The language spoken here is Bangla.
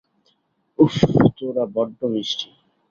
উফ, তোরা বড্ড মিষ্টি।